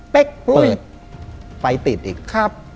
เป๊ะเปิดไฟติดอีกครับ